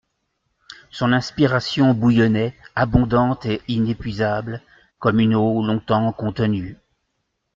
Son inspiration bouillonnait, abondante et inépuisable, comme une eau longtemps contenue.